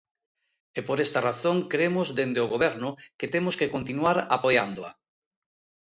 E por esta razón cremos dende o Goberno que temos que continuar apoiándoa.